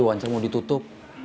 jujur nggak keliatan